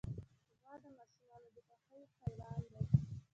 غوا د ماشومانو د خوښې حیوان دی.